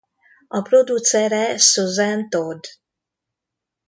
A producere Suzanne Todd.